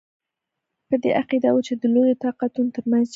په دې عقیده وو چې د لویو طاقتونو ترمنځ جنګ.